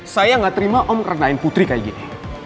saya gak terima om kerendahin putri kayak gini